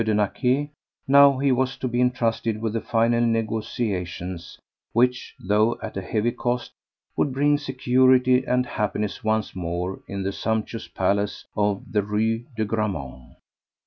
de Naquet; now he was to be entrusted with the final negotiations which, though at a heavy cost, would bring security and happiness once more in the sumptuous palace of the Rue de Grammont.